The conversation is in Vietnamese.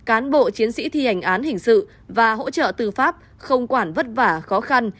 cán bộ chiến sĩ thi hành án hình sự và hỗ trợ tư pháp không quản vất vả khó khăn